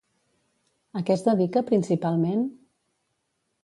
A què es dedica principalment?